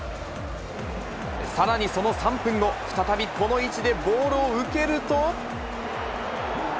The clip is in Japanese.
さらにその３分後、再びこの位置でボールを受けると。